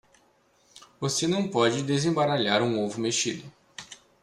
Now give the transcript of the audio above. Você não pode desembaralhar um ovo mexido.